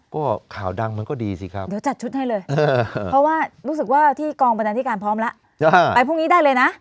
ก็ข่าวดังมันก็ดีสิครับเดี๋ยวจัดชุดให้เลยเพราะว่ารู้สึกว่าที่กองบรรดาธิการพร้อมแล้วไปพรุ่งนี้ได้เลยนะ